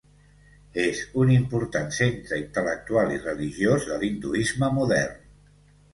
És un important centre intel·lectual i religiós de l'hinduisme modern.